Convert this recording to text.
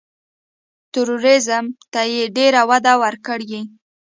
ټوریزم ته یې ډېره وده ورکړې.